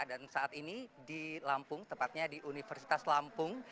saat ini di lampung tepatnya di universitas lampung